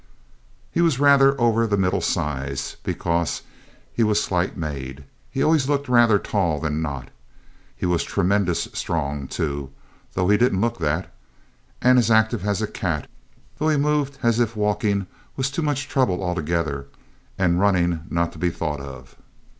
He was rather over the middle size; because he was slight made, he always looked rather tall than not. He was tremendous strong, too, though he didn't look that, and as active as a cat, though he moved as if walking was too much trouble altogether, and running not to be thought of.